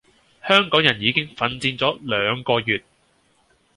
香港人已經奮戰咗兩個月